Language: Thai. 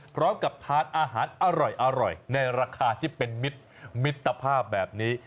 พร้อมกับทานอาหารอร่อยในราคาที่เป็นมิตรมิตรภาพแบบนี้